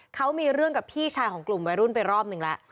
เขามีเรื่องกับพี่ชายของกลุ่มวัยรุ่นไปรอบนึงแล้ว